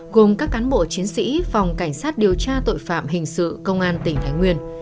gồm các cán bộ chiến sĩ phòng cảnh sát điều tra tội phạm hình sự công an tỉnh thái nguyên